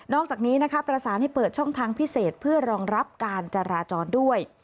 อกจากนี้นะคะประสานให้เปิดช่องทางพิเศษเพื่อรองรับการจราจรด้วย